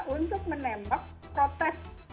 untuk menembak protes